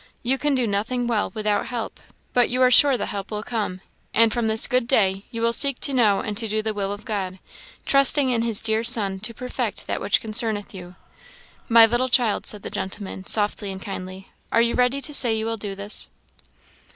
You can do nothing well without help, but you are sure the help will come; and from this good day you will seek to know and to do the will of God, trusting in his dear Son to perfect that which concerneth you. My little child," said the gentleman, softly and kindly, "are you ready to say you will do this?"